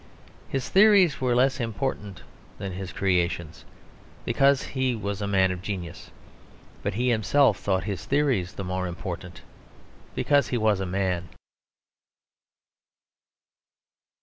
His theories were less important than his creations, because he was a man of genius. But he himself thought his theories the more important, because he was a man.